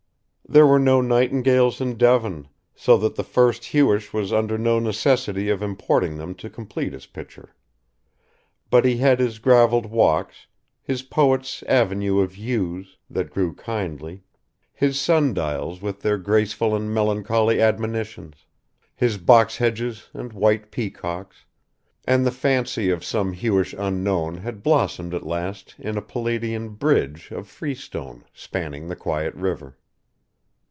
There were no nightingales in Devon, so that the first Hewish was under no necessity of importing them to complete his picture. But he had his gravelled walks, his poets' avenue of yews, that grew kindly, his sundials with their graceful and melancholy admonitions, his box hedges and white peacocks, and the fancy of some Hewish unknown had blossomed at last in a Palladian bridge of freestone, spanning the quiet river.